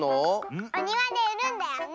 おにわでうるんだよね！ね！